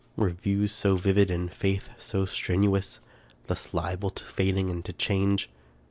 Were views so vivid and faith so strenuous thus liable to fading and to change?